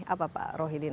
apa pak rohidin